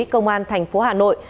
công an thành phố hà nội